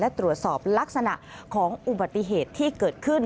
และตรวจสอบลักษณะของอุบัติเหตุที่เกิดขึ้น